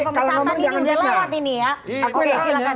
kita kembali dulu ke gagasan ya